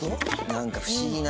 なんか不思議な。